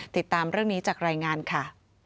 ติดตามเรื่องนี้จากรายงานค่ะ